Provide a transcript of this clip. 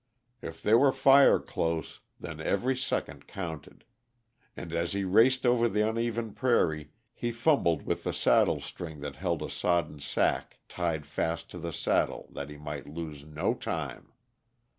If there were fire close, then every second counted; and as he raced over the uneven prairie he fumbled with the saddle string that held a sodden sack tied fast to the saddle, that he might lose no time.